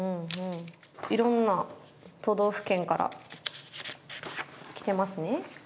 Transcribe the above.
いろんな都道府県から来てますね。